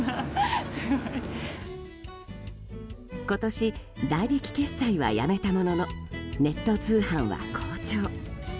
今年代引き決済はやめたもののネット通販は好調。